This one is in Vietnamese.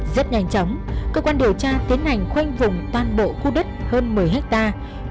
rất nhanh chóng cơ quan điều tra tiến hành khoanh vùng toàn bộ khu đất hơn một mươi hectare